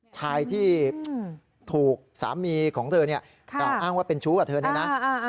ชายที่ถูกสามีของเธอเนี่ยกล่าวอ้างว่าเป็นชู้กับเธอเนี่ยนะ